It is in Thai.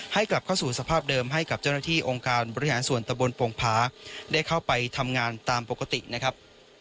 กลับเข้าสู่สภาพเดิมให้กับเจ้าหน้าที่องค์การบริหารส่วนตะบนโป่งผาได้เข้าไปทำงานตามปกตินะครับ